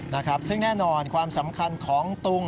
นะครับซึ่งแน่นอนความสำคัญของตุง